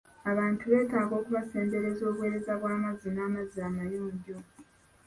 Abantu beetaaga okubasembereza obuweereza bw'amazzi n'amazzi amayonjo.